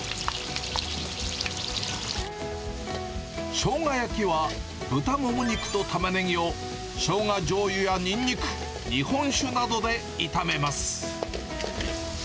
しょうが焼きは豚もも肉とタマネギを、ショウガじょうゆやニンニク、日本酒などで炒めます。